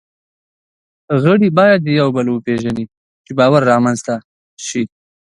غړي باید یو بل وپېژني، چې باور رامنځ ته شي.